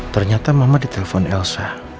ternyata mama ditelepon elsa